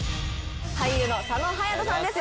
俳優の佐野勇斗さんです